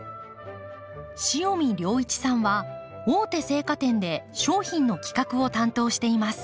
塩見亮一さんは大手生花店で商品の企画を担当しています。